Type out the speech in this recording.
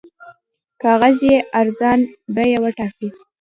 کاغذ یې ارزان بیه وټاکئ.